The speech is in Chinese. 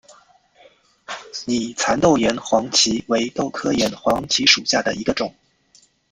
拟蚕豆岩黄耆为豆科岩黄耆属下的一个种。